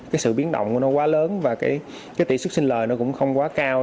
cái sự biến động của nó quá lớn và cái tỷ suất sinh lời nó cũng không quá cao